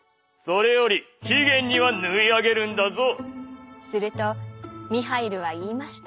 それより期限には縫いあげるんだぞ」。